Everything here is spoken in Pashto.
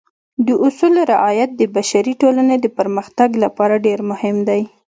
د اصولو رعایت د بشري ټولنې د پرمختګ لپاره ډېر مهم دی.